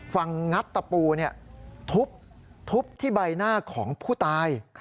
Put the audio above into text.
งัดตะปูทุบที่ใบหน้าของผู้ตาย